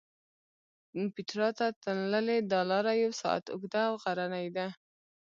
پېټرا ته تللې دا لاره یو ساعت اوږده او غرنۍ ده.